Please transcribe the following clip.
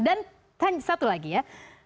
dan satu lagi ya